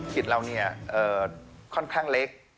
กิจเราเนี่ยค่อนข้างเล็ก